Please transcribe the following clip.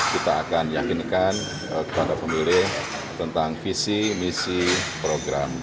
kita akan yakinkan kepada pemilih tentang visi misi program